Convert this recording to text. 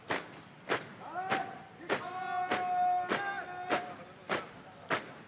undangan dimohon berdiri